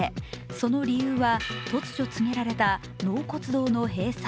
その理由は、突如告げられた納骨堂の閉鎖。